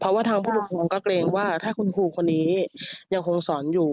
เพราะว่าทางผู้ปกครองก็เกรงว่าถ้าคุณครูคนนี้ยังคงสอนอยู่